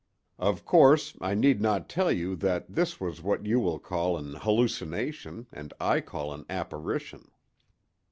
"Of course, I need not tell you that this was what you will call an hallucination and I call an apparition.